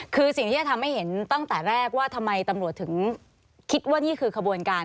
คือสิ่งที่จะทำให้เห็นตั้งแต่แรกว่าทำไมตำรวจถึงคิดว่านี่คือขบวนการ